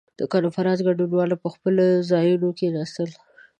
• د کنفرانس ګډونوال پر خپلو ځایونو کښېناستل.